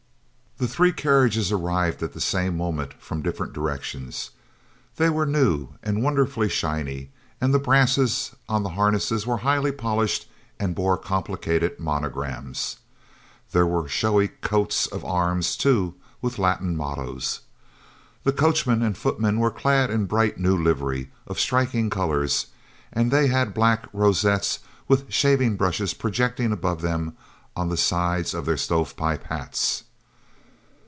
The three carriages arrived at the same moment from different directions. They were new and wonderfully shiny, and the brasses on the harness were highly polished and bore complicated monograms. There were showy coats of arms, too, with Latin mottoes. The coachmen and footmen were clad in bright new livery, of striking colors, and they had black rosettes with shaving brushes projecting above them, on the sides of their stove pipe hats.